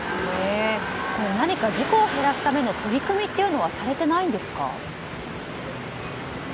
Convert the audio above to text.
何か事故を減らすための取り組みというのはされていないんですか？